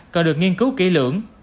cần được nghiên cứu kỹ lưỡng